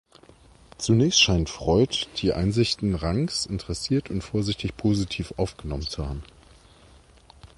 Zunächst scheint Freud die Einsichten Ranks interessiert und vorsichtig positiv aufgenommen zu haben.